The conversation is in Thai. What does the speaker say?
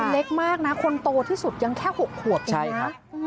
เล็กมากนะคนโตที่สุดยังแค่๖ขวบเองนะ